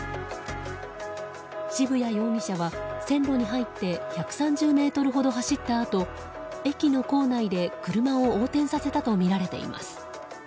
渋谷容疑者は線路に入って１３０ｍほど走ったあと駅の構内で車を横転させたとみられています。